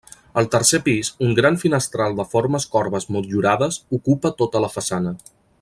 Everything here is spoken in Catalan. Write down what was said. Al tercer pis, un gran finestral de formes corbes motllurades ocupa tota la façana.